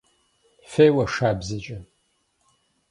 Феуэ шабзэкӏэ!